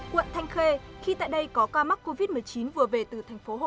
quận thanh khê khi tại đây có ca mắc covid một mươi chín vừa về từ tp hcm